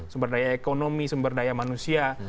sumber daya ekonomi sumber daya manusia